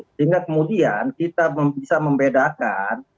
sehingga kemudian kita bisa membedakan